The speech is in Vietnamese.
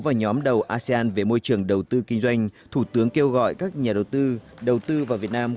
và nhóm đầu asean về môi trường đầu tư kinh doanh thủ tướng kêu gọi các nhà đầu tư đầu tư vào việt nam